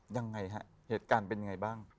ยังไงฮะเหตุการณ์เป็นยังไงบ้าง